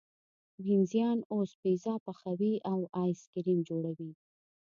وینزیان اوس پیزا پخوي او ایس کریم جوړوي.